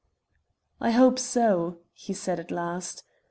"I hope so," he said at last.